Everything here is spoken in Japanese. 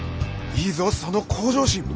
いいぞその向上心！